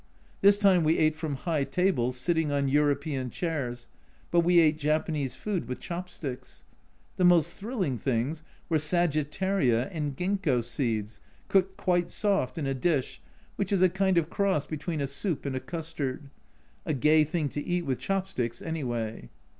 This time we ate from high tables, sitting on European chairs, but we ate Japanese food with chop sticks ! The most thrilling things were sagittaria and ginkgo seeds \ cooked quite soft in a dish which is a kind of cross between a soup and a custard (a gay thing to eat with chop sticks any way